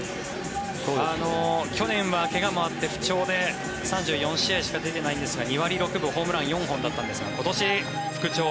去年は怪我もあって不調で３４試合しか出ていないんですが２割６分ホームラン４本だったんですが今年、復調。